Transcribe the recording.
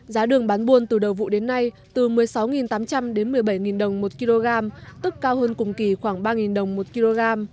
giá đường bán buôn từ đầu vụ đến nay từ một mươi sáu tám trăm linh đến một mươi bảy đồng một kg tức cao hơn cùng kỳ khoảng ba đồng một kg